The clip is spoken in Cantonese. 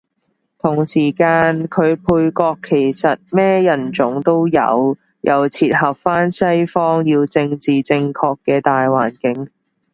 同時間佢配角其實咩人種都有，又切合返西方要政治正確嘅大環境